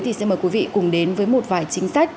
thì xin mời quý vị cùng đến với một vài chính sách